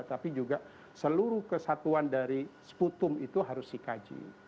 tapi juga seluruh kesatuan dari seputum itu harus dikaji